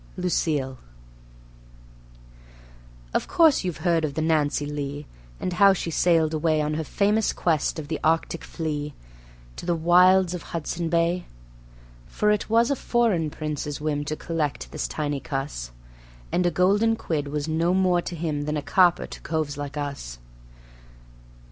Lucille Of course you've heard of the Nancy Lee, and how she sailed away On her famous quest of the Arctic flea, to the wilds of Hudson's Bay? For it was a foreign Prince's whim to collect this tiny cuss, And a golden quid was no more to him than a copper to coves like us.